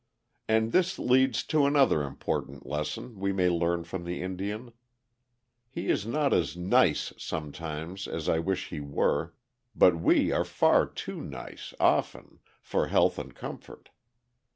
And this leads to another important lesson we may learn from the Indian. He is not as "nice" sometimes as I wish he were, but we are far too nice, often, for health and comfort.